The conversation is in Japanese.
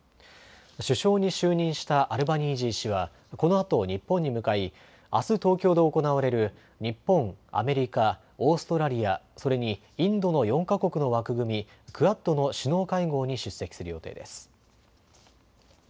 首相に就任したアルバニージー氏はこのあと日本に向かいあす東京で行われる日本、アメリカ、オーストラリア、それにインドの４か国の枠組み、クアッドの首脳会合に出席する予定です。